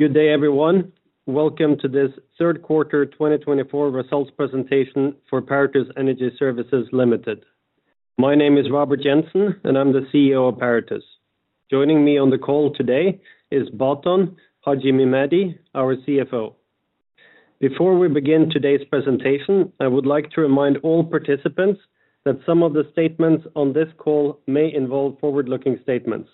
Good day, everyone. Welcome to this third quarter 2024 results presentation for Paratus Energy Services Limited. My name is Robert Jensen, and I'm the CEO of Paratus. Joining me on the call today is Baton Haxhimehmedi, our CFO. Before we begin today's presentation, I would like to remind all participants that some of the statements on this call may involve forward-looking statements.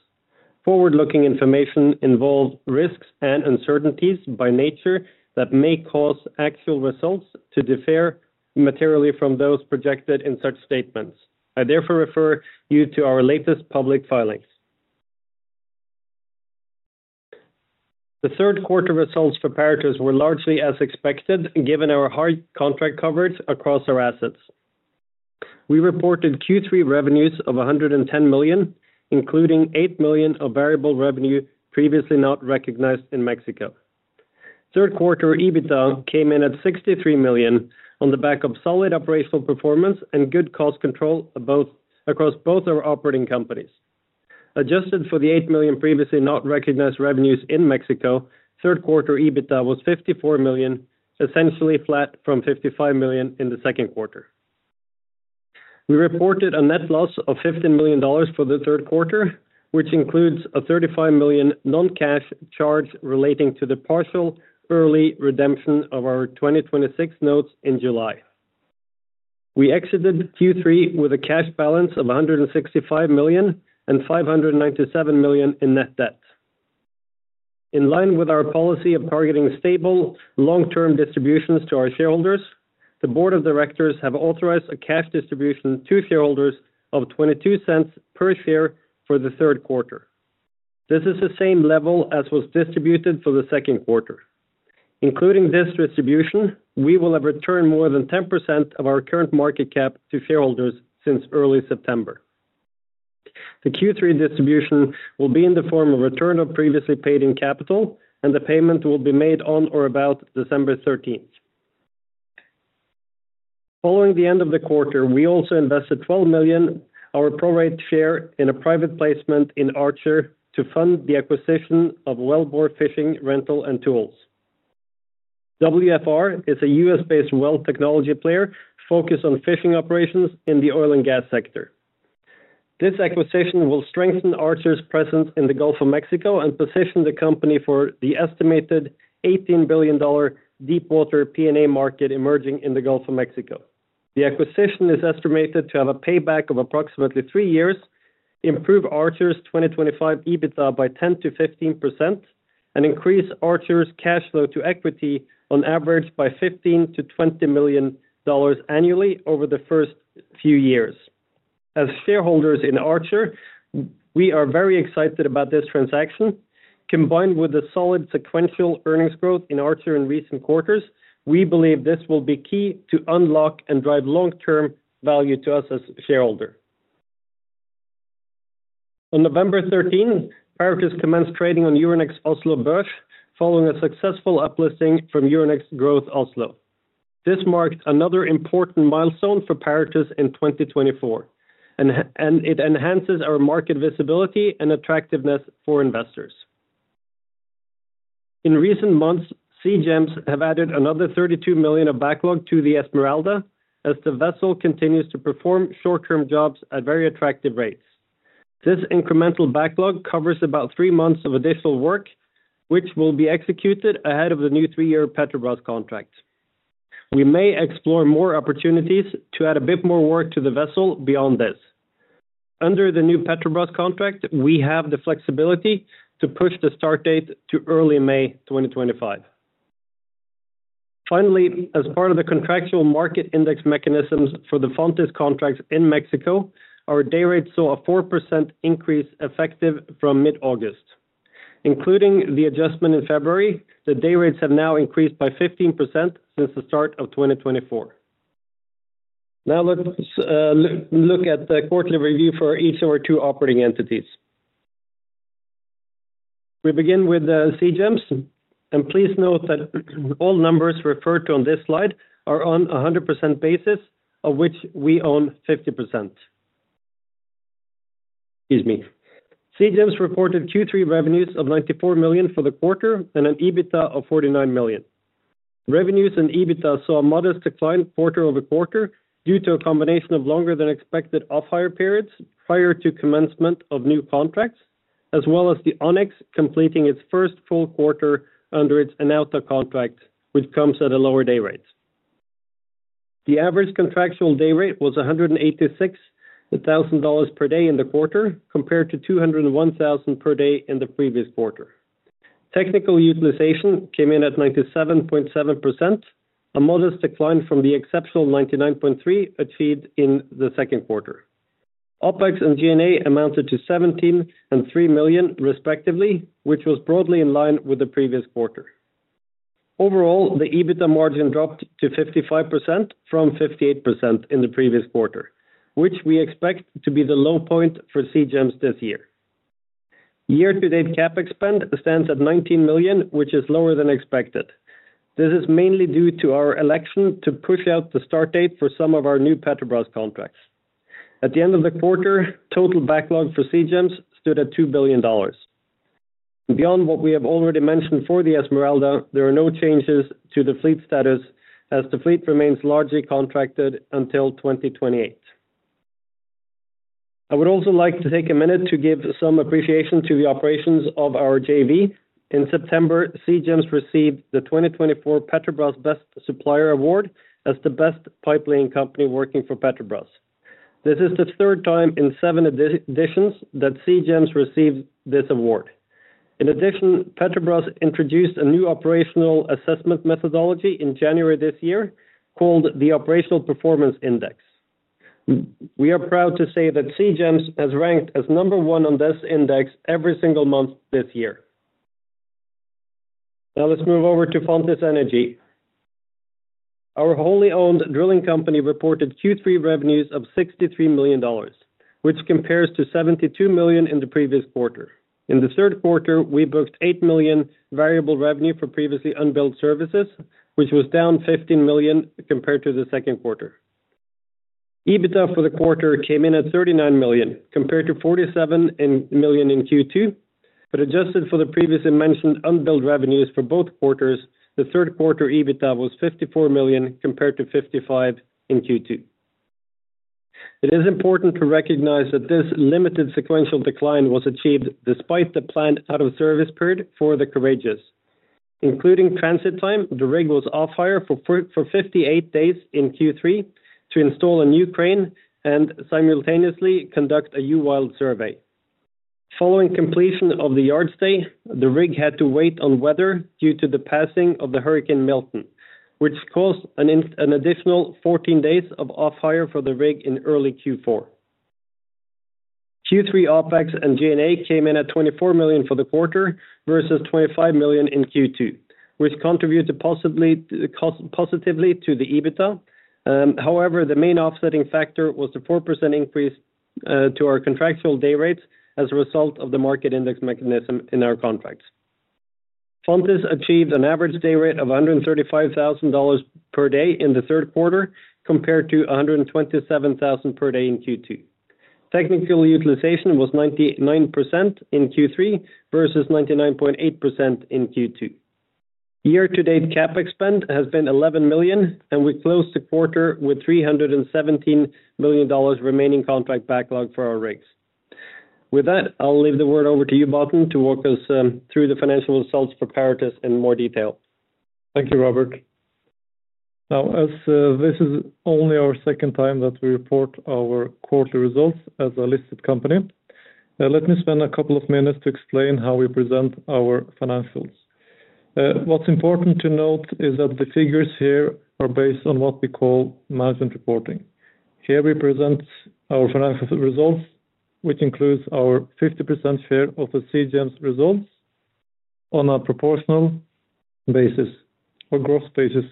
Forward-looking information involves risks and uncertainties by nature that may cause actual results to differ materially from those projected in such statements. I therefore refer you to our latest public filings. The third quarter results for Paratus were largely as expected, given our high contract coverage across our assets. We reported Q3 revenues of $110 million, including $8 million of variable revenue previously not recognized in Mexico. Third quarter EBITDA came in at $63 million on the back of solid operational performance and good cost control across both our operating companies. Adjusted for the $8 million previously not recognized revenues in Mexico, third quarter EBITDA was $54 million, essentially flat from $55 million in the second quarter. We reported a net loss of $15 million for the third quarter, which includes a $35 million non-cash charge relating to the partial early redemption of our 2026 notes in July. We exited Q3 with a cash balance of $165 million and $597 million in net debt. In line with our policy of targeting stable, long-term distributions to our shareholders, the board of directors have authorized a cash distribution to shareholders of $0.22 per share for the third quarter. This is the same level as was distributed for the second quarter. Including this distribution, we will have returned more than 10% of our current market cap to shareholders since early September. The Q3 distribution will be in the form of return of previously paid-in capital, and the payment will be made on or about December 13th. Following the end of the quarter, we also invested $12 million, our prorated share, in a private placement in Archer to fund the acquisition of Wellbore Fishing & Rental Tools. WFR is a U.S.-based well technology player focused on fishing operations in the oil and gas sector. This acquisition will strengthen Archer's presence in the Gulf of Mexico and position the company for the estimated $18 billion deepwater P&A market emerging in the Gulf of Mexico. The acquisition is estimated to have a payback of approximately three years, improve Archer's 2025 EBITDA by 10%-15%, and increase Archer's cash flow to equity on average by $15 million-$20 million annually over the first few years. As shareholders in Archer, we are very excited about this transaction. Combined with the solid sequential earnings growth in Archer in recent quarters, we believe this will be key to unlock and drive long-term value to us as shareholders. On November 13, Paratus commenced trading on Euronext Oslo Børs, following a successful uplisting from Euronext Growth Oslo. This marked another important milestone for Paratus in 2024, and it enhances our market visibility and attractiveness for investors. In recent months, Sea Gems have added another $32 million of backlog to the Esmeralda as the vessel continues to perform short-term jobs at very attractive rates. This incremental backlog covers about three months of additional work, which will be executed ahead of the new three-year Petrobras contract. We may explore more opportunities to add a bit more work to the vessel beyond this. Under the new Petrobras contract, we have the flexibility to push the start date to early May 2025. Finally, as part of the contractual market index mechanisms for the Fontis contracts in Mexico, our day rates saw a 4% increase effective from mid-August. Including the adjustment in February, the day rates have now increased by 15% since the start of 2024. Now let's look at the quarterly review for each of our two operating entities. We begin with Sea Gems, and please note that all numbers referred to on this slide are on a 100% basis, of which we own 50%. Seabras Sapura reported Q3 revenues of $94 million for the quarter and an EBITDA of $49 million. Revenues and EBITDA saw a modest decline quarter-over-quarter due to a combination of longer-than-expected off-hire periods prior to commencement of new contracts, as well as the Onyx completing its first full quarter under its Enauta contract, which comes at a lower day rate. The average contractual day rate was $186,000 per day in the quarter, compared to $201,000 per day in the previous quarter. Technical utilization came in at 97.7%, a modest decline from the exceptional 99.3% achieved in the second quarter. OPEX and G&A amounted to $17 and $3 million, respectively, which was broadly in line with the previous quarter. Overall, the EBITDA margin dropped to 55% from 58% in the previous quarter, which we expect to be the low point for Seabras Sapura this year. Year-to-date CapEx stands at $19 million, which is lower than expected. This is mainly due to our election to push out the start date for some of our new Petrobras contracts. At the end of the quarter, total backlog for Seabras Sapura stood at $2 billion. Beyond what we have already mentioned for the Esmeralda, there are no changes to the fleet status as the fleet remains largely contracted until 2028. I would also like to take a minute to give some appreciation to the operations of our JV. In September, Seabras Sapura received the 2024 Petrobras Best Supplier Award as the best pipeline company working for Petrobras. This is the third time in seven editions that Seabras Sapura received this award. In addition, Petrobras introduced a new operational assessment methodology in January this year called the Operational Performance Index. We are proud to say that Sea Gems has ranked as number one on this index every single month this year. Now let's move over to Fontis Energy. Our wholly owned drilling company reported Q3 revenues of $63 million, which compares to $72 million in the previous quarter. In the third quarter, we booked $8 million variable revenue for previously unbilled services, which was down $15 million compared to the second quarter. EBITDA for the quarter came in at $39 million, compared to $47 million in Q2, but adjusted for the previously mentioned unbilled revenues for both quarters, the third quarter EBITDA was $54 million compared to $55 million in Q2. It is important to recognize that this limited sequential decline was achieved despite the planned out-of-service period for the Courageous, including transit time. The rig was off-hire for 58 days in Q3 to install a new crane and simultaneously conduct a U-WILD survey. Following completion of the yard stay, the rig had to wait on weather due to the passing of the Hurricane Milton, which caused an additional 14 days of off-hire for the rig in early Q4. Q3 OpEx and G&A came in at $24 million for the quarter versus $25 million in Q2, which contributed positively to the EBITDA. However, the main offsetting factor was the 4% increase to our contractual day rates as a result of the market index mechanism in our contracts. Fontis achieved an average day rate of $135,000 per day in the third quarter compared to $127,000 per day in Q2. Technical utilization was 99% in Q3 versus 99.8% in Q2. Year-to-date CapEx has been $11 million, and we closed the quarter with $317 million remaining contract backlog for our rigs. With that, I'll leave the word over to you, Baton, to walk us through the financial results for Paratus in more detail. Thank you, Robert. Now, as this is only our second time that we report our quarterly results as a listed company, let me spend a couple of minutes to explain how we present our financials. What's important to note is that the figures here are based on what we call management reporting. Here we present our financial results, which includes our 50% share of the Sea Gems results on a proportional basis or gross basis.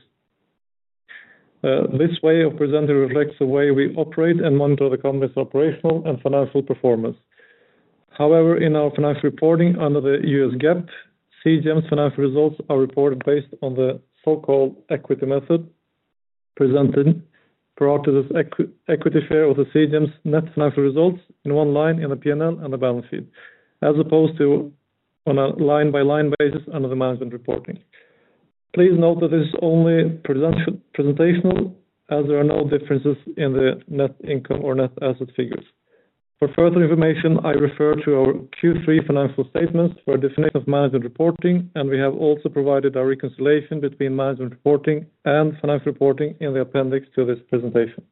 This way of presenting reflects the way we operate and monitor the company's operational and financial performance. However, in our financial reporting under the U.S. GAAP, Sea Gems financial results are reported based on the so-called equity method presented prior to this equity share of the Sea Gems net financial results in one line in the P&L and the balance sheet, as opposed to on a line-by-line basis under the management reporting. Please note that this is only presentational, as there are no differences in the net income or net asset figures. For further information, I refer to our Q3 financial statements for a definition of management reporting, and we have also provided our reconciliation between management reporting and financial reporting in the appendix to this presentation.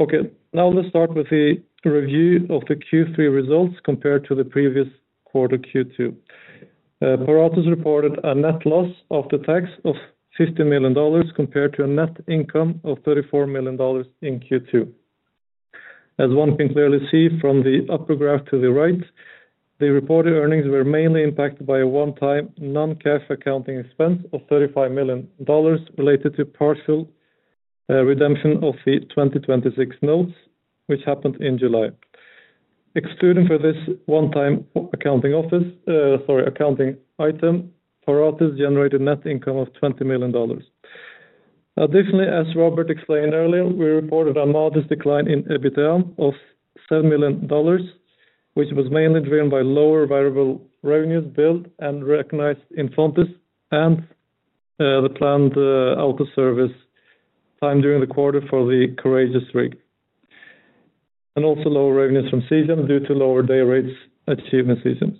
Okay, now let's start with the review of the Q3 results compared to the previous quarter, Q2. Paratus reported a net loss after tax of $50 million compared to a net income of $34 million in Q2. As one can clearly see from the upper graph to the right, the reported earnings were mainly impacted by a one-time non-cash accounting expense of $35 million related to partial redemption of the 2026 notes, which happened in July. Excluding this one-time accounting item, Paratus generated net income of $20 million. Additionally, as Robert explained earlier, we reported a modest decline in EBITDA of $7 million, which was mainly driven by lower variable revenues billed and recognized in SeaMex and the planned out-of-service time during the quarter for the Courageous rig, and also lower revenues from Seabras Sapura due to lower day rates achieved in Seabras Sapura.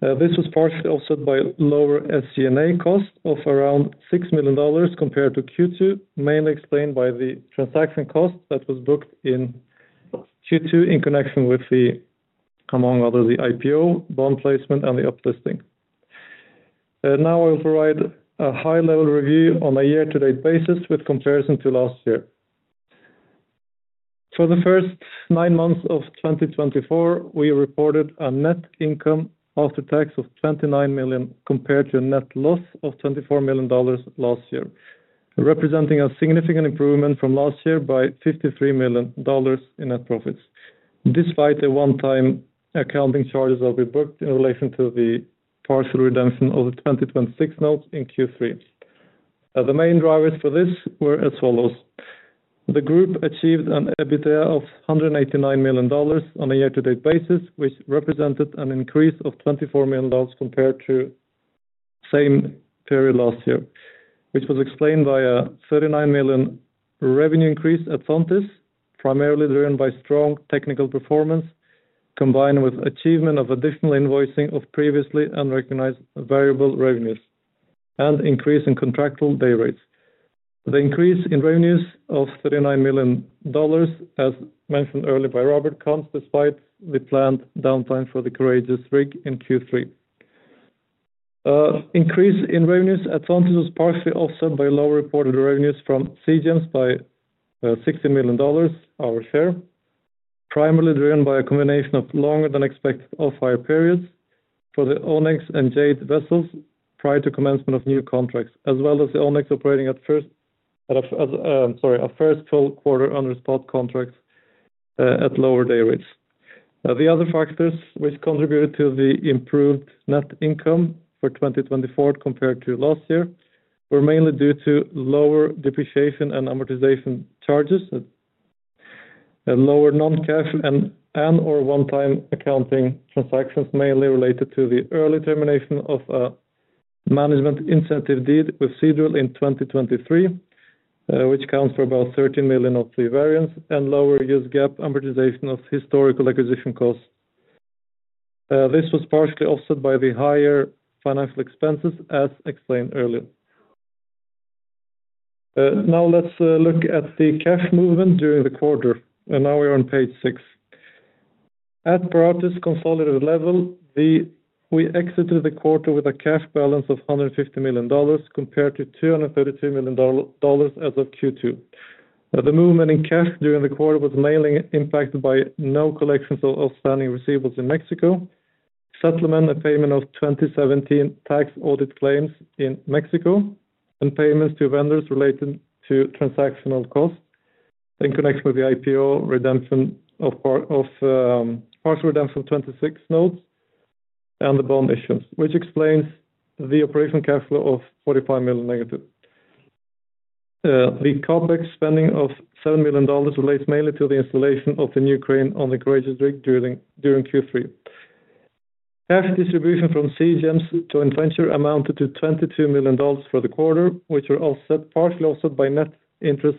This was partially offset by lower SG&A cost of around $6 million compared to Q2, mainly explained by the transaction cost that was booked in Q2 in connection with, among others, the IPO, bond placement, and the uplisting. Now I will provide a high-level review on a year-to-date basis with comparison to last year. For the first nine months of 2024, we reported a net income after tax of $29 million compared to a net loss of $24 million last year, representing a significant improvement from last year by $53 million in net profits, despite the one-time accounting charges that we booked in relation to the partial redemption of the 2026 notes in Q3. The main drivers for this were as follows. The group achieved an EBITDA of $189 million on a year-to-date basis, which represented an increase of $24 million compared to the same period last year, which was explained by a $39 million revenue increase at Fontis, primarily driven by strong technical performance combined with achievement of additional invoicing of previously unrecognized variable revenues and increase in contractual day rates. The increase in revenues of $39 million, as mentioned earlier by Robert, comes despite the planned downtime for the Courageous rig in Q3. Increase in revenues at Fontis was partially offset by lower reported revenues from Sea Gems by $60 million, our share, primarily driven by a combination of longer-than-expected off-hire periods for the Onyx and Jade vessels prior to commencement of new contracts, as well as the Onyx operating at first, sorry, a first full quarter under spot contracts at lower day rates. The other factors which contributed to the improved net income for 2024 compared to last year were mainly due to lower depreciation and amortization charges, lower non-cash and/or one-time accounting transactions mainly related to the early termination of a management incentive deed with Seadrill in 2023, which accounts for about $13 million of the variance and lower U.S. GAAP amortization of historical acquisition costs. This was partially offset by the higher financial expenses, as explained earlier. Now let's look at the cash movement during the quarter, and now we are on page six. At Paratus' consolidated level, we exited the quarter with a cash balance of $150 million compared to $232 million as of Q2. The movement in cash during the quarter was mainly impacted by no collections of outstanding receivables in Mexico, settlement and payment of 2017 tax audit claims in Mexico, and payments to vendors related to transactional costs in connection with the IPO, partial redemption of 26 notes and the bond issuance, which explains the operating cash flow of -$45 million. The OpEx spending of $7 million relates mainly to the installation of the new crane on the Courageous rig during Q3. Cash distribution from Seabras Sapura to Inventure amounted to $22 million for the quarter, which were partially offset by net interest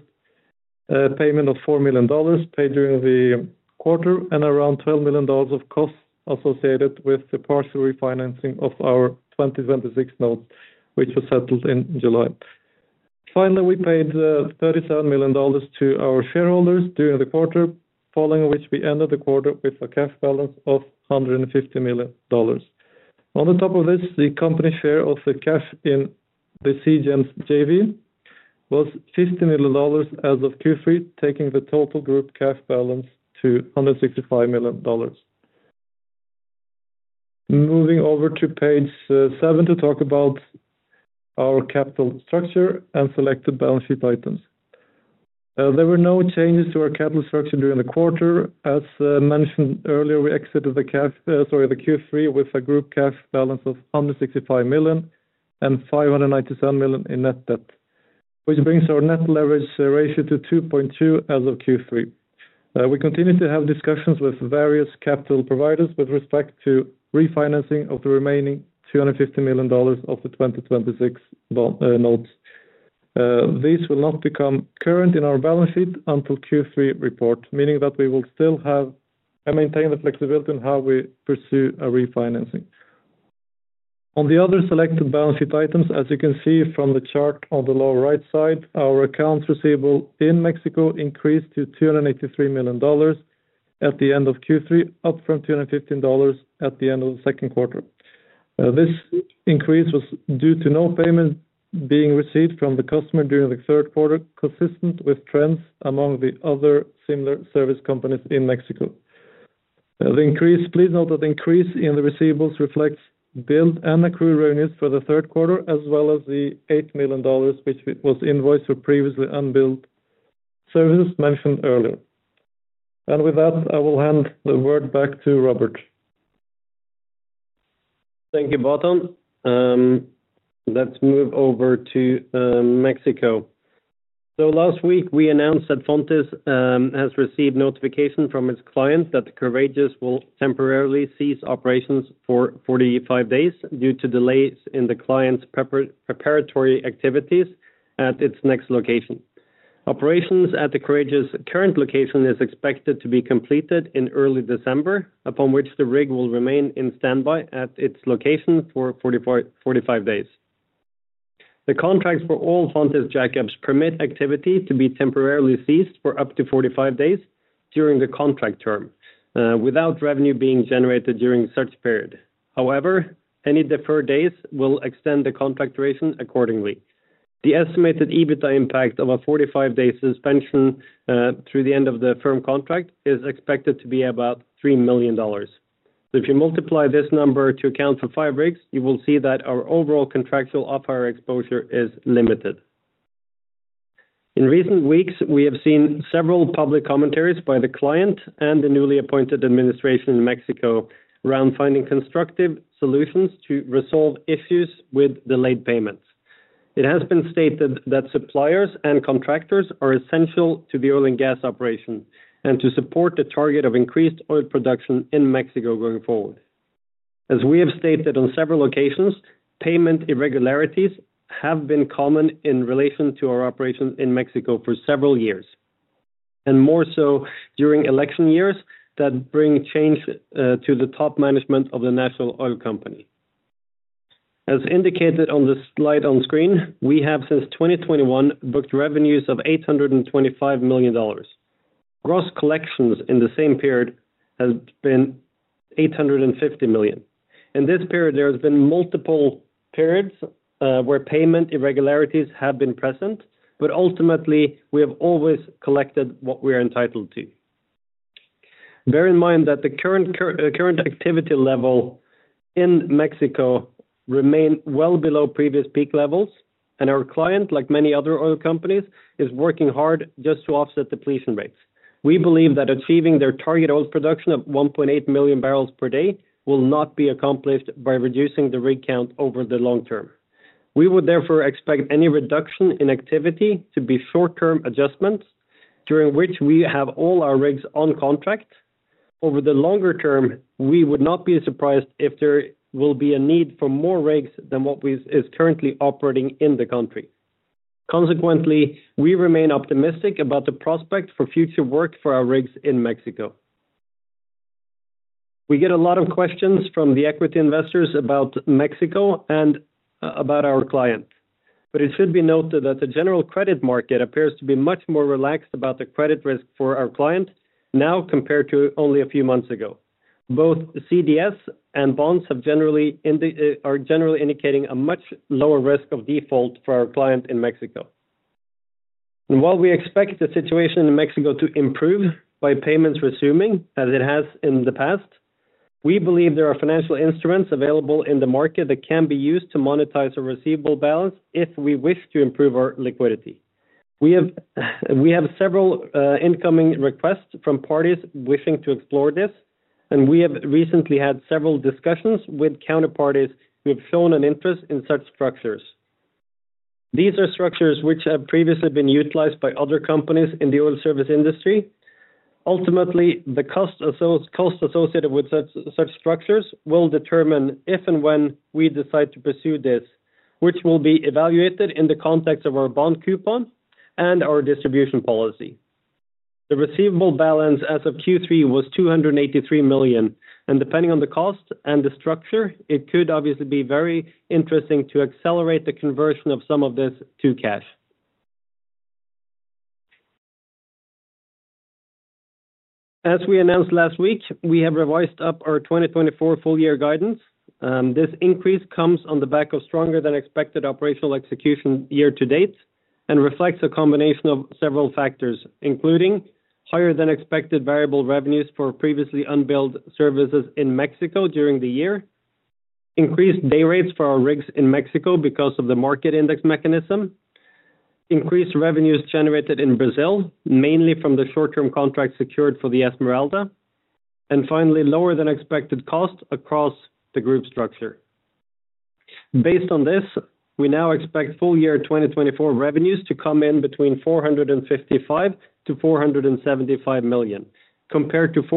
payment of $4 million paid during the quarter and around $12 million of costs associated with the partial refinancing of our 2026 Notes, which was settled in July. Finally, we paid $37 million to our shareholders during the quarter, following which we ended the quarter with a cash balance of $150 million. On the top of this, the company share of the cash in the Seabras Sapura JV was $50 million as of Q3, taking the total group cash balance to $165 million. Moving over to page seven to talk about our capital structure and selected balance sheet items. There were no changes to our capital structure during the quarter. As mentioned earlier, we exited the Q3 with a group cash balance of $165 million and $597 million in net debt, which brings our net leverage ratio to 2.2 as of Q3. We continue to have discussions with various capital providers with respect to refinancing of the remaining $250 million of the 2026 notes. These will not become current in our balance sheet until Q3 report, meaning that we will still have and maintain the flexibility in how we pursue refinancing. On the other selected balance sheet items, as you can see from the chart on the lower right side, our accounts receivable in Mexico increased to $283 million at the end of Q3, up from $215 million at the end of the second quarter. This increase was due to no payment being received from the customer during the third quarter, consistent with trends among the other similar service companies in Mexico. Please note that the increase in the receivables reflects billed and accrued revenues for the third quarter, as well as the $8 million, which was invoiced for previously unbilled services mentioned earlier, and with that, I will hand the word back to Robert. Thank you, Baton. Let's move over to Mexico. So last week, we announced that Fontis has received notification from its client that the Courageous will temporarily cease operations for 45 days due to delays in the client's preparatory activities at its next location. Operations at the Courageous current location is expected to be completed in early December, upon which the rig will remain in standby at its location for 45 days. The contracts for all Fontis jack-ups permit activity to be temporarily ceased for up to 45 days during the contract term, without revenue being generated during such period. However, any deferred days will extend the contract duration accordingly. The estimated EBITDA impact of a 45-day suspension through the end of the firm contract is expected to be about $3 million. If you multiply this number to account for five rigs, you will see that our overall contractual off-hire exposure is limited. In recent weeks, we have seen several public commentaries by the client and the newly appointed administration in Mexico around finding constructive solutions to resolve issues with delayed payments. It has been stated that suppliers and contractors are essential to the oil and gas operation and to support the target of increased oil production in Mexico going forward. As we have stated on several occasions, payment irregularities have been common in relation to our operations in Mexico for several years, and more so during election years that bring change to the top management of the National Oil Company. As indicated on the slide on screen, we have since 2021 booked revenues of $825 million. Gross collections in the same period have been $850 million. In this period, there have been multiple periods where payment irregularities have been present, but ultimately, we have always collected what we are entitled to. Bear in mind that the current activity level in Mexico remains well below previous peak levels, and our client, like many other oil companies, is working hard just to offset depletion rates. We believe that achieving their target oil production of 1.8 million barrels per day will not be accomplished by reducing the rig count over the long term. We would therefore expect any reduction in activity to be short-term adjustments during which we have all our rigs on contract. Over the longer term, we would not be surprised if there will be a need for more rigs than what is currently operating in the country. Consequently, we remain optimistic about the prospect for future work for our rigs in Mexico. We get a lot of questions from the equity investors about Mexico and about our client, but it should be noted that the general credit market appears to be much more relaxed about the credit risk for our client now compared to only a few months ago. Both CDS and bonds are generally indicating a much lower risk of default for our client in Mexico. And while we expect the situation in Mexico to improve by payments resuming as it has in the past, we believe there are financial instruments available in the market that can be used to monetize our receivable balance if we wish to improve our liquidity. We have several incoming requests from parties wishing to explore this, and we have recently had several discussions with counterparties who have shown an interest in such structures. These are structures which have previously been utilized by other companies in the oil service industry. Ultimately, the cost associated with such structures will determine if and when we decide to pursue this, which will be evaluated in the context of our bond coupon and our distribution policy. The receivable balance as of Q3 was $283 million, and depending on the cost and the structure, it could obviously be very interesting to accelerate the conversion of some of this to cash. As we announced last week, we have revised up our 2024 full-year guidance. This increase comes on the back of stronger-than-expected operational execution year-to-date and reflects a combination of several factors, including higher-than-expected variable revenues for previously unbilled services in Mexico during the year, increased day rates for our rigs in Mexico because of the market index mechanism, increased revenues generated in Brazil, mainly from the short-term contract secured for the Esmeralda, and finally, lower-than-expected costs across the group structure. Based on this, we now expect full-year 2024 revenues to come in between $455 million-$475 million, compared to $435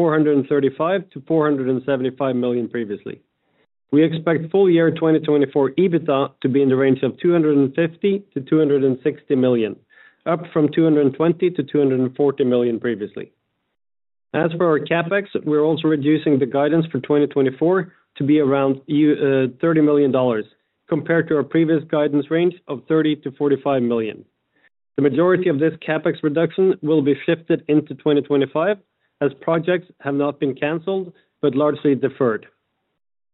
million-$475 million previously. We expect full-year 2024 EBITDA to be in the range of $250 million-$260 million, up from $220 million-$240 million previously. As for our CapEx, we're also reducing the guidance for 2024 to be around $30 million, compared to our previous guidance range of $30 million-$45 million. The majority of this CapEx reduction will be shifted into 2025 as projects have not been canceled but largely deferred.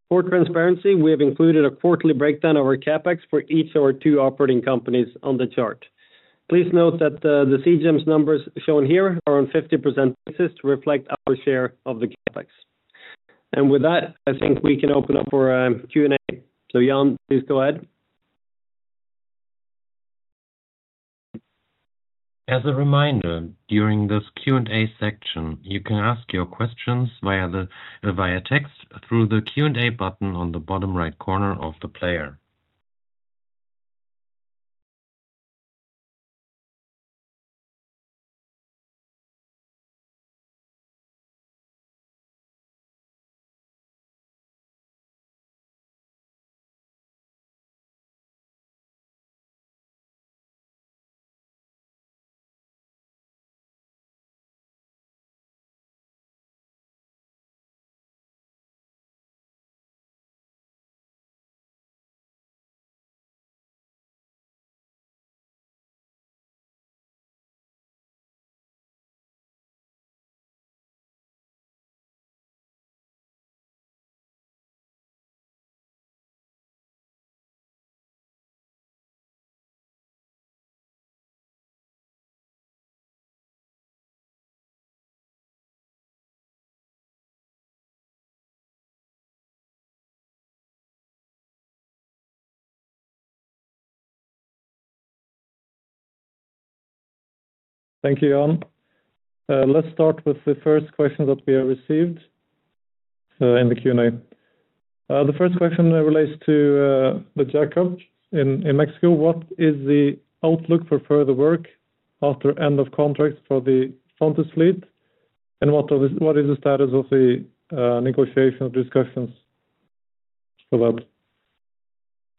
For transparency, we have included a quarterly breakdown of our CapEx for each of our two operating companies on the chart. Please note that the Sea Gems numbers shown here are on 50% basis to reflect our share of the CapEx. And with that, I think we can open up for a Q&A. So Jan, please go ahead. As a reminder, during this Q&A section, you can ask your questions via text through the Q&A button on the bottom right corner of the player. Thank you, Jan. Let's start with the first question that we have received in the Q&A. The first question relates to the jack-ups in Mexico. What is the outlook for further work after end of contract for the Fontis fleet, and what is the status of the negotiation discussions for that?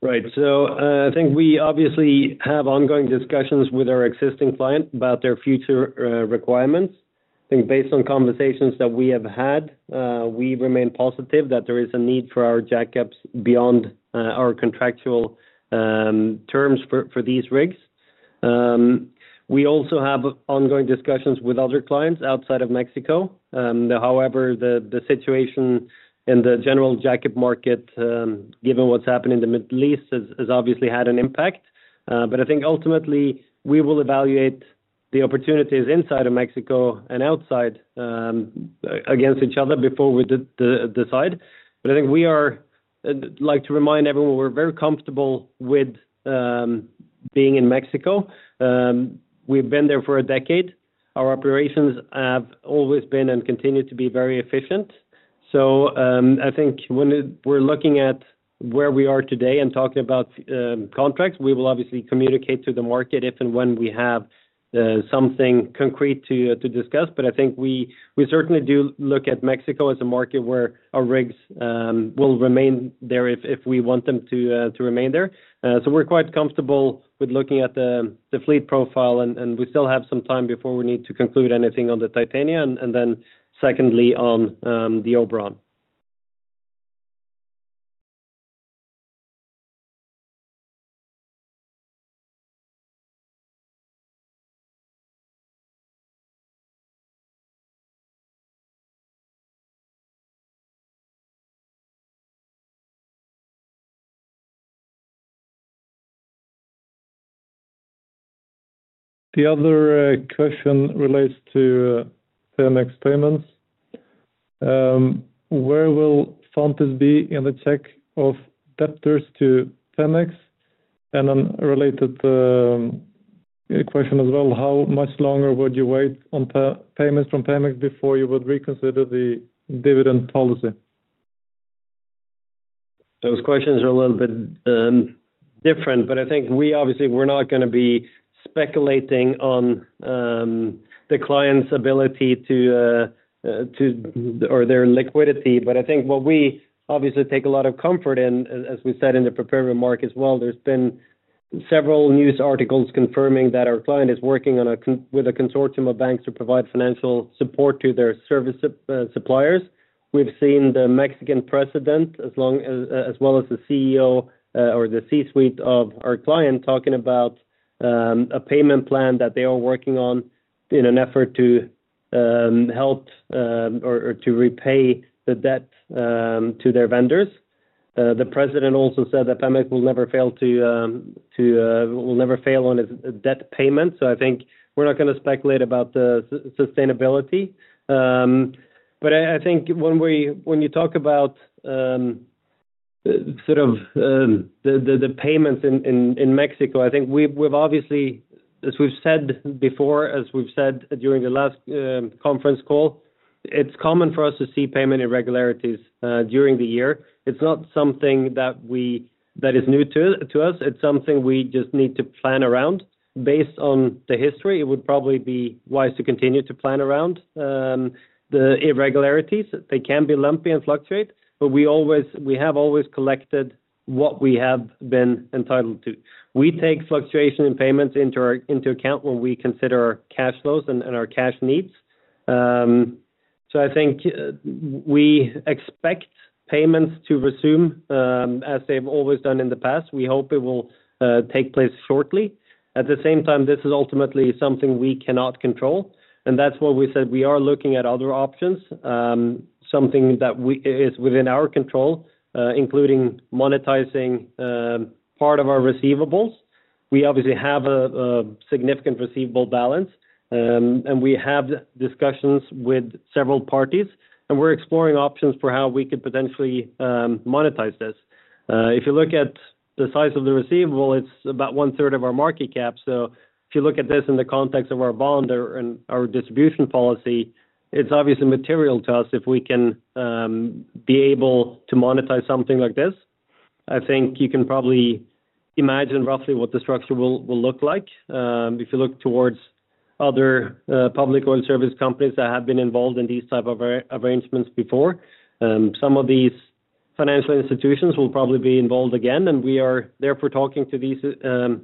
Right. So I think we obviously have ongoing discussions with our existing client about their future requirements. I think based on conversations that we have had, we remain positive that there is a need for our jack-ups beyond our contractual terms for these rigs. We also have ongoing discussions with other clients outside of Mexico. However, the situation in the general jack-up market, given what's happened in the Middle East, has obviously had an impact. But I think ultimately, we will evaluate the opportunities inside of Mexico and outside against each other before we decide. But I think we'd like to remind everyone we're very comfortable with being in Mexico. We've been there for a decade. Our operations have always been and continue to be very efficient. So I think when we're looking at where we are today and talking about contracts, we will obviously communicate to the market if and when we have something concrete to discuss. But I think we certainly do look at Mexico as a market where our rigs will remain there if we want them to remain there. So we're quite comfortable with looking at the fleet profile, and we still have some time before we need to conclude anything on the Titania and then secondly on the Oberon. The other question relates to Pemex payments. Where will Fontis be in the check of debtors to Pemex? And a related question as well: how much longer would you wait on payments from Pemex before you would reconsider the dividend policy? Those questions are a little bit different, but I think we obviously we're not going to be speculating on the client's ability to or their liquidity. But I think what we obviously take a lot of comfort in, as we said in the prepared remarks as well, there's been several news articles confirming that our client is working with a consortium of banks to provide financial support to their service suppliers. We've seen the Mexican president as well as the CEO or the C-suite of our client talking about a payment plan that they are working on in an effort to help or to repay the debt to their vendors. The president also said that Pemex will never fail on its debt payment. So I think we're not going to speculate about the sustainability. But I think when you talk about sort of the payments in Mexico, I think we've obviously, as we've said before, as we've said during the last conference call, it's common for us to see payment irregularities during the year. It's not something that is new to us. It's something we just need to plan around. Based on the history, it would probably be wise to continue to plan around the irregularities. They can be lumpy and fluctuate, but we have always collected what we have been entitled to. We take fluctuation in payments into account when we consider our cash flows and our cash needs. So I think we expect payments to resume as they've always done in the past. We hope it will take place shortly. At the same time, this is ultimately something we cannot control. And that's why we said we are looking at other options, something that is within our control, including monetizing part of our receivables. We obviously have a significant receivable balance, and we have discussions with several parties, and we're exploring options for how we could potentially monetize this. If you look at the size of the receivable, it's about one-third of our market cap. So if you look at this in the context of our bond and our distribution policy, it's obviously material to us if we can be able to monetize something like this. I think you can probably imagine roughly what the structure will look like if you look towards other public oil service companies that have been involved in these types of arrangements before. Some of these financial institutions will probably be involved again, and we are therefore talking to these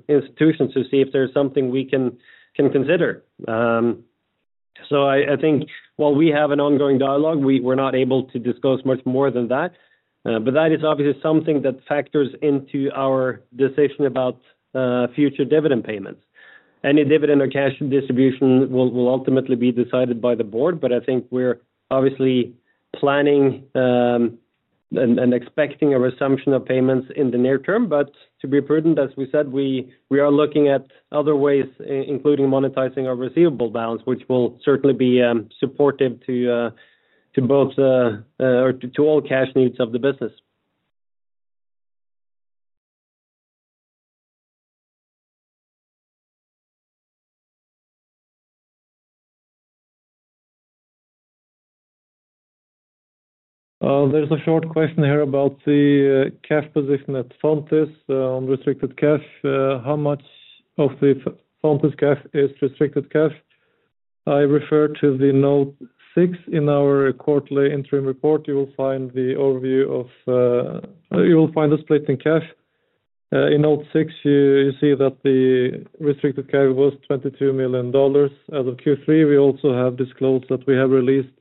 institutions to see if there's something we can consider. So I think while we have an ongoing dialogue, we're not able to discuss much more than that. But that is obviously something that factors into our decision about future dividend payments. Any dividend or cash distribution will ultimately be decided by the board, but I think we're obviously planning and expecting a resumption of payments in the near term. But to be prudent, as we said, we are looking at other ways, including monetizing our receivable balance, which will certainly be supportive to both or to all cash needs of the business. There's a short question here about the cash position at SeaMex on restricted cash. How much of the SeaMex cash is restricted cash? I refer to Note 6 in our quarterly interim report. You will find the overview of the split in cash. In Note 6, you see that the restricted cash was $22 million. As of Q3, we also have disclosed that we have released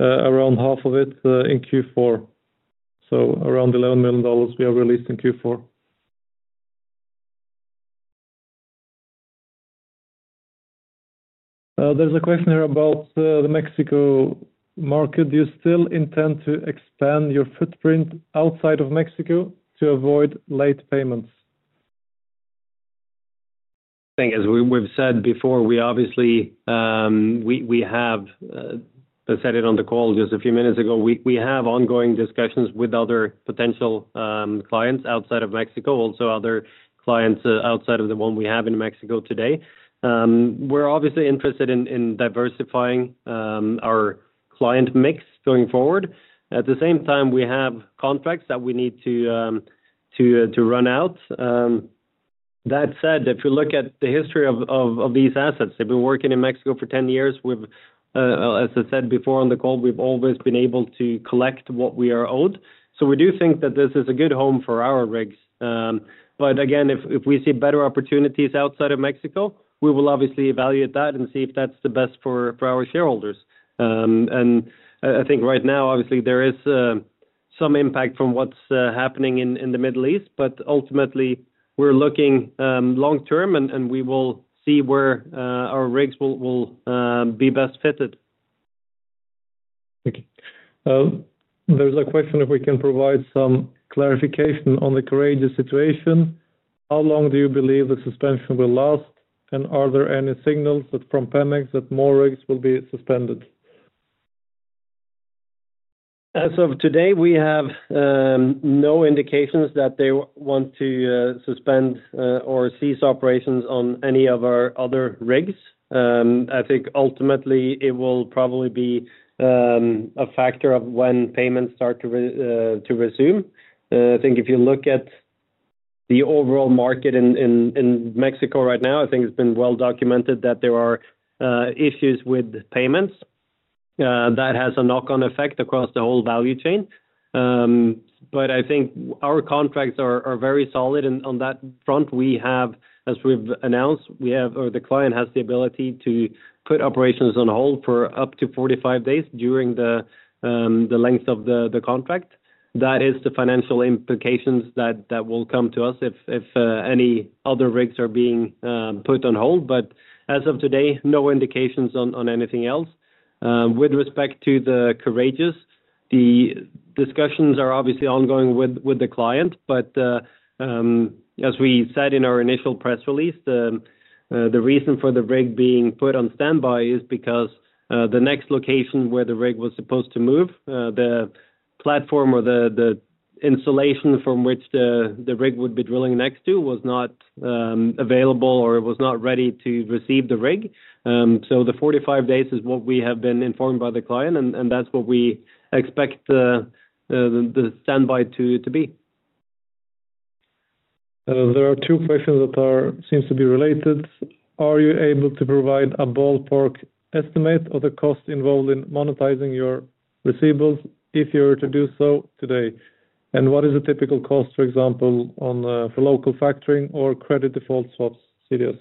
around half of it in Q4. So around $11 million we have released in Q4. There's a question here about the Mexico market. Do you still intend to expand your footprint outside of Mexico to avoid late payments? I think, as we've said before, we obviously have said it on the call just a few minutes ago. We have ongoing discussions with other potential clients outside of Mexico, also other clients outside of the one we have in Mexico today. We're obviously interested in diversifying our client mix going forward. At the same time, we have contracts that we need to run out. That said, if you look at the history of these assets, they've been working in Mexico for 10 years. As I said before on the call, we've always been able to collect what we are owed. So we do think that this is a good home for our rigs. But again, if we see better opportunities outside of Mexico, we will obviously evaluate that and see if that's the best for our shareholders. I think right now, obviously, there is some impact from what's happening in the Middle East, but ultimately, we're looking long-term, and we will see where our rigs will be best fitted. There's a question if we can provide some clarification on the current situation. How long do you believe the suspension will last? And are there any signals from Pemex that more rigs will be suspended? As of today, we have no indications that they want to suspend or cease operations on any of our other rigs. I think ultimately, it will probably be a factor of when payments start to resume. I think if you look at the overall market in Mexico right now, I think it's been well documented that there are issues with payments. That has a knock-on effect across the whole value chain. But I think our contracts are very solid on that front. We have, as we've announced, we have or the client has the ability to put operations on hold for up to 45 days during the length of the contract. That is the financial implications that will come to us if any other rigs are being put on hold. But as of today, no indications on anything else. With respect to the Courageous, the discussions are obviously ongoing with the client, but as we said in our initial press release, the reason for the rig being put on standby is because the next location where the rig was supposed to move, the platform or the installation from which the rig would be drilling next to was not available or it was not ready to receive the rig, so the 45 days is what we have been informed by the client, and that's what we expect the standby to be. There are two questions that seem to be related. Are you able to provide a ballpark estimate of the cost involved in monetizing your receivables if you were to do so today? And what is the typical cost, for example, for local factoring or credit default swaps, CDS?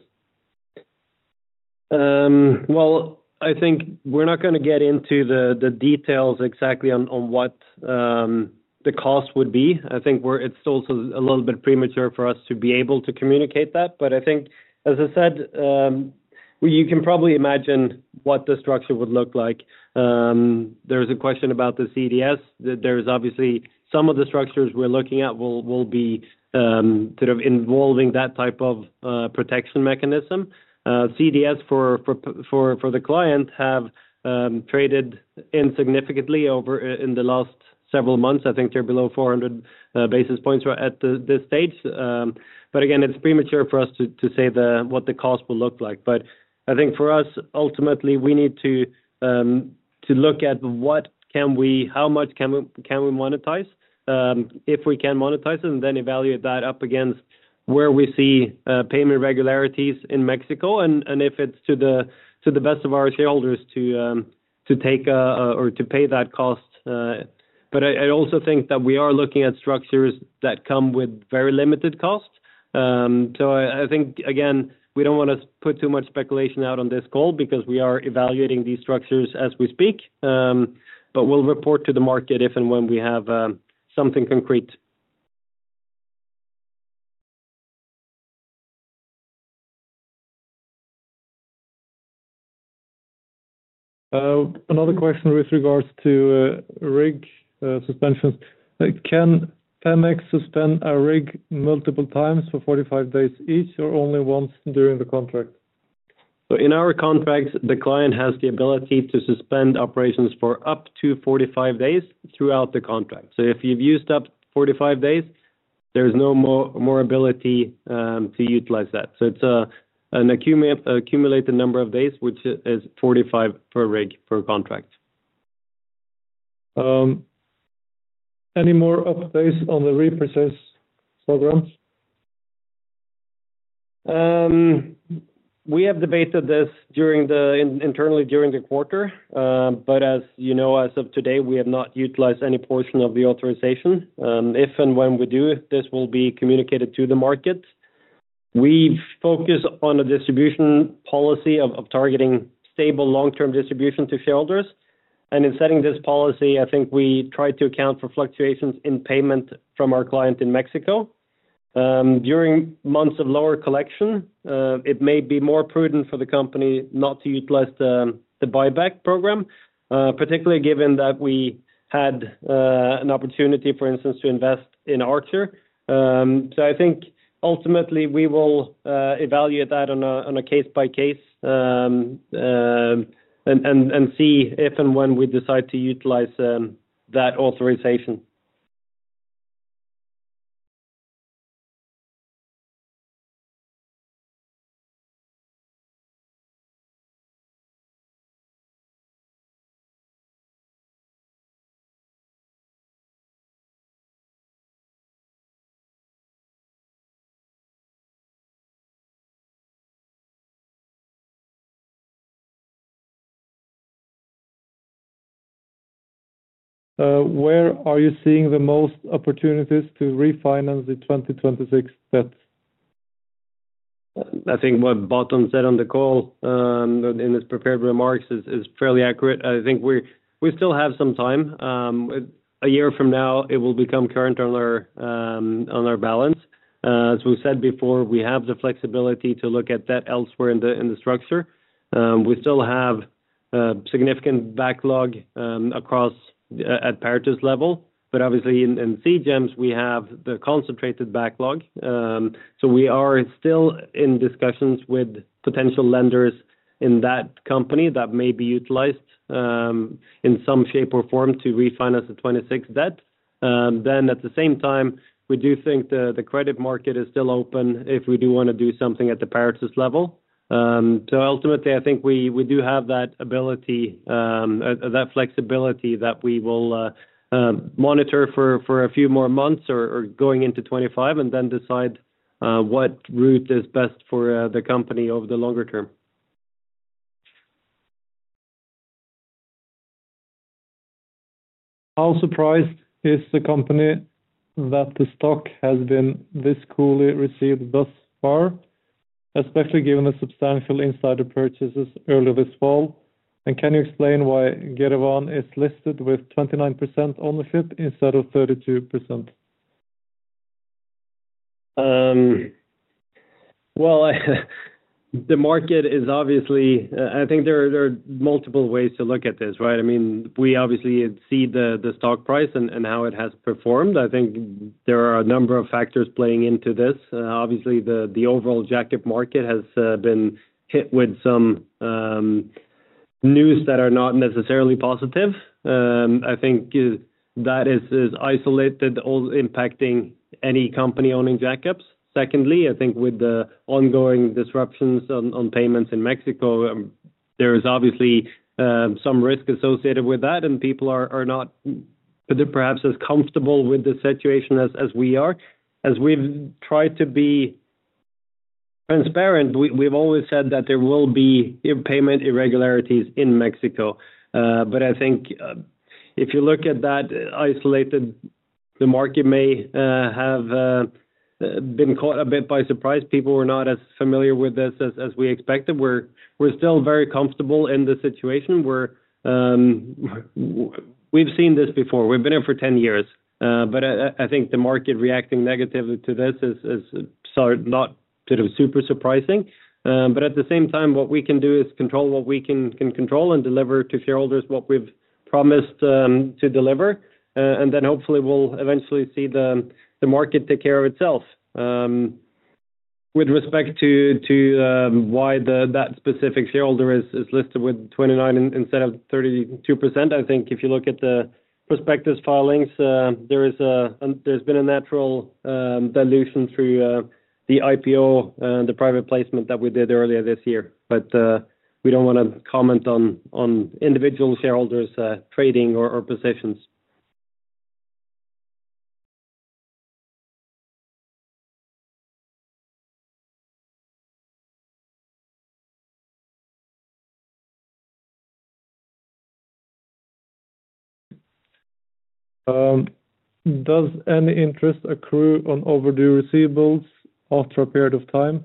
I think we're not going to get into the details exactly on what the cost would be. I think it's also a little bit premature for us to be able to communicate that. But I think, as I said, you can probably imagine what the structure would look like. There's a question about the CDS. There's obviously some of the structures we're looking at will be sort of involving that type of protection mechanism. CDS for the client have traded insignificantly over in the last several months. I think they're below 400 basis points at this stage. But again, it's premature for us to say what the cost will look like. But I think for us, ultimately, we need to look at how much can we monetize if we can monetize it and then evaluate that up against where we see payment irregularities in Mexico and if it's to the best of our shareholders to take or to pay that cost. But I also think that we are looking at structures that come with very limited cost. So I think, again, we don't want to put too much speculation out on this call because we are evaluating these structures as we speak. But we'll report to the market if and when we have something concrete. Another question with regards to rig suspensions. Can Pemex suspend a rig multiple times for 45 days each or only once during the contract? So in our contracts, the client has the ability to suspend operations for up to 45 days throughout the contract. So if you've used up 45 days, there's no more ability to utilize that. So it's an accumulated number of days, which is 45 per rig per contract. Any more updates on the repurchase programs? We have debated this internally during the quarter. But as you know, as of today, we have not utilized any portion of the authorization. If and when we do, this will be communicated to the market. We focus on a distribution policy of targeting stable long-term distribution to shareholders. And in setting this policy, I think we try to account for fluctuations in payment from our client in Mexico. During months of lower collection, it may be more prudent for the company not to utilize the buyback program, particularly given that we had an opportunity, for instance, to invest in Archer. So I think ultimately, we will evaluate that on a case-by-case and see if and when we decide to utilize that authorization. Where are you seeing the most opportunities to refinance the 2026 debt? I think what Baton said on the call in his prepared remarks is fairly accurate. I think we still have some time. A year from now, it will become current on our balance. As we said before, we have the flexibility to look at debt elsewhere in the structure. We still have significant backlog across at Paratus level. But obviously, in Sea Gems, we have the concentrated backlog. So we are still in discussions with potential lenders in that company that may be utilized in some shape or form to refinance the 2026 debt. Then, at the same time, we do think the credit market is still open if we do want to do something at the Paratus level. So ultimately, I think we do have that ability, that flexibility that we will monitor for a few more months or going into 2025 and then decide what route is best for the company over the longer term. How surprised is the company that the stock has been this coolly received thus far, especially given the substantial insider purchases earlier this fall? And can you explain why Guevoura is listed with 29% ownership instead of 32%? The market is obviously I think there are multiple ways to look at this, right? I mean, we obviously see the stock price and how it has performed. I think there are a number of factors playing into this. Obviously, the overall jack-up market has been hit with some news that are not necessarily positive. I think that is isolated, also impacting any company owning jack-ups. Secondly, I think with the ongoing disruptions on payments in Mexico, there is obviously some risk associated with that, and people are not perhaps as comfortable with the situation as we are. As we've tried to be transparent, we've always said that there will be payment irregularities in Mexico. But I think if you look at that isolated, the market may have been caught a bit by surprise. People were not as familiar with this as we expected. We're still very comfortable in the situation. We've seen this before. We've been here for 10 years. But I think the market reacting negatively to this is not sort of super surprising. But at the same time, what we can do is control what we can control and deliver to shareholders what we've promised to deliver. And then hopefully, we'll eventually see the market take care of itself. With respect to why that specific shareholder is listed with 29% instead of 32%, I think if you look at the prospectus filings, there's been a natural dilution through the IPO and the private placement that we did earlier this year. But we don't want to comment on individual shareholders' trading or positions. Does any interest accrue on overdue receivables after a period of time?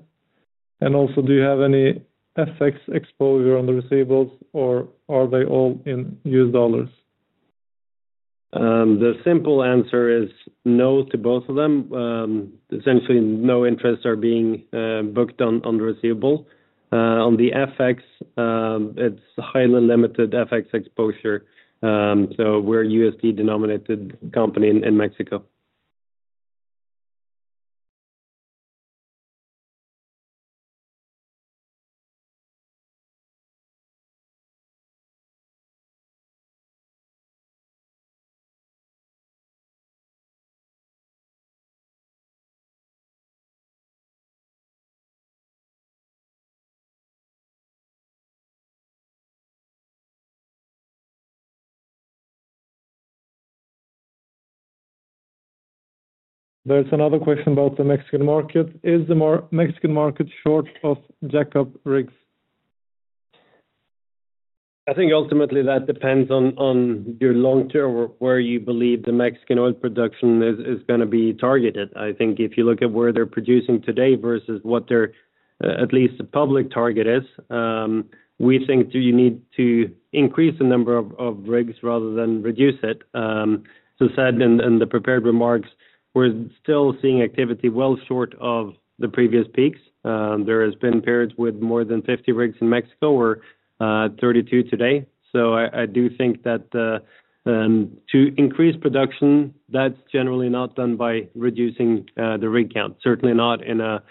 And also, do you have any FX exposure on the receivables, or are they all in U.S. dollars? The simple answer is no to both of them. Essentially, no interests are being booked on the receivable. On the FX, it's highly limited FX exposure, so we're a U.S.-denominated company in Mexico. There's another question about the Mexican market. Is the Mexican market short of jack-up rigs? I think ultimately, that depends on your long-term where you believe the Mexican oil production is going to be targeted. I think if you look at where they're producing today versus what their at least public target is, we think you need to increase the number of rigs rather than reduce it. As I said in the prepared remarks, we're still seeing activity well short of the previous peaks. There has been periods with more than 50 rigs in Mexico or 32 today. So I do think that to increase production, that's generally not done by reducing the rig count, certainly not in a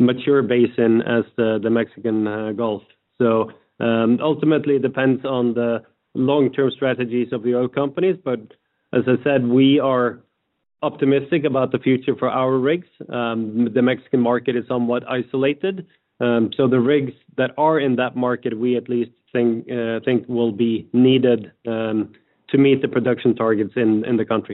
mature basin as the Gulf of Mexico. So ultimately, it depends on the long-term strategies of the oil companies. But as I said, we are optimistic about the future for our rigs. The Mexican market is somewhat isolated. So the rigs that are in that market, we at least think will be needed to meet the production targets in the country.